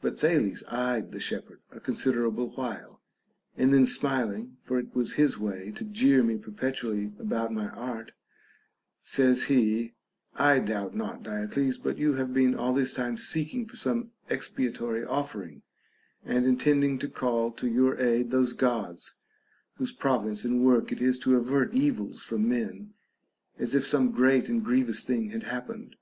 But Thales eyed the shepherd a considerable while, and then smiling (for it was his way to jeer me perpetually about my art) says he, I doubt not, Diodes, but you have been all this time seeking for some expiatory offering, and intending to call to your aid those Gods whose province and work it is to avert evils from men, as if some great and grievous thing had happened.